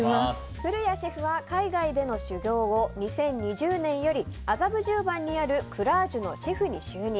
古屋シェフは海外での修業後２０２０年より、麻布十番にあるクラージュのシェフに就任。